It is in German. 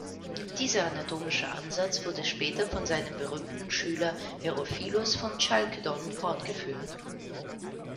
Dieser anatomische Ansatz wurde später von seinem berühmten Schüler Herophilos von Chalkedon fortgeführt.